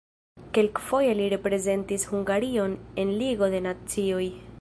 Kelkfoje li reprezentis Hungarion en Ligo de Nacioj.